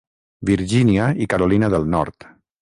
Virgínia i Carolina del Nord.